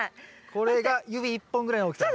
これが指１本ぐらいの大きさ。